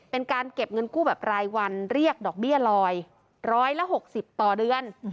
เป็นการเก็บเงินกู้แบบรายวันเรียกดอกเบี้ยลอย๑๖๐ต่อเดือน